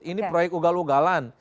ini proyek ugal ugalan